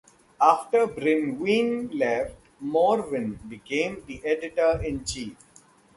After Brenwyn left, Morven became the editor in chief.